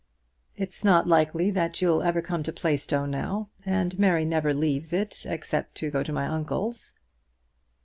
"It's not likely that you'll ever come to Plaistow now; and Mary never leaves it except to go to my uncle's."